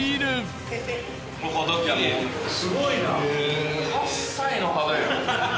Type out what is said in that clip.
すごいな。